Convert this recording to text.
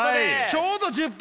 ちょうど１０分！